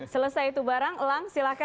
selesai itu barang elang silahkan